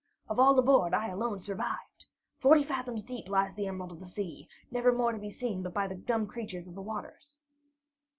Of all aboard, I alone survived. Forty fathoms deep lies the Emerald of the Sea, never more to be seen but by the dumb creatures of the waters."